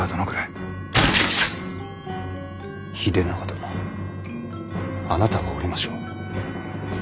秀長殿あなたがおりましょう。